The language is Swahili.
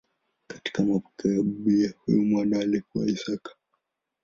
Katika mapokeo ya Biblia huyu mwana alikuwa Isaka.